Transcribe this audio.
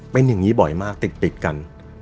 เป็นอย่างนี้บ่อยมากติดกัน